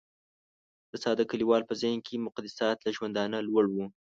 د ساده کليوال په ذهن کې مقدسات له ژوندانه لوړ وو.